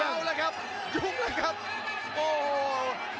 ยุ่งแล้วครับ